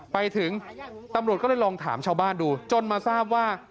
ไปถึงตำรวจก็เลยลองถามชาวบ้านดูจนมาทราบว่า